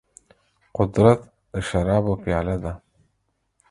قدرت د شرابو پياله ده.